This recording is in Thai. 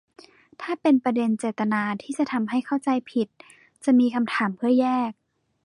ถ้าเป็นประเด็นเจตนาที่จะทำให้เข้าใจผิด จะมีคำเพื่อแยก